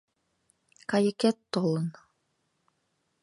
— Кайыкет толын.